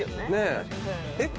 えっ？